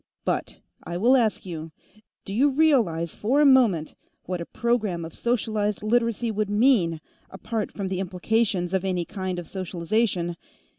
But I will ask you, do you realize, for a moment, what a program of socialized Literacy would mean, apart from the implications of any kind of socialization?